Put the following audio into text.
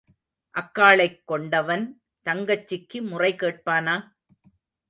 அக்காளைக் கொண்டவன் தங்கச்சிக்கு முறை கேட்பானா?